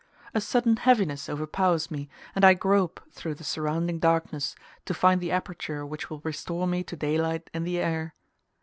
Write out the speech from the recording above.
A sudden heaviness overpowers me, and I grope through the surrounding darkness, to find the aperture which will restore me to daylight and the air.